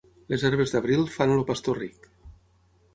Les herbes d'abril fan el pastor ric.